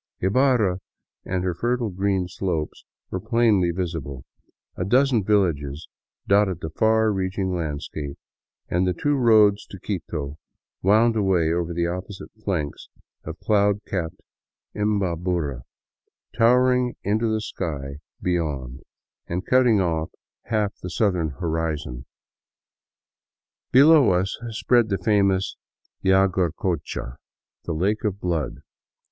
Ibarra and her fertile green slopes were plainly visible ; a dozen villages dotted the far reaching landscape, and the two roads to Quito wound away over the opposite flanks of cloud capped Imbabura, towering into the sky beyond and cutting off half the 123 VAGABONDING DOWN THE ANDES southern horizon. Below us spread the famous Yaguarcocha, the " Lake of Blood."